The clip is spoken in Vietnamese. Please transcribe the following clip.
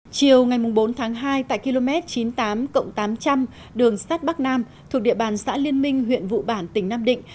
chiều ngày bốn tháng hai tại km chín mươi tám tám trăm linh đường sát bắc nam thuộc địa bàn xã liên minh huyện vụ bản tỉnh nam định